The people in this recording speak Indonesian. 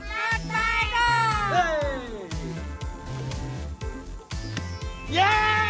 masuk pak eko